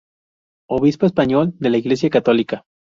Obispo español de la Iglesia católica.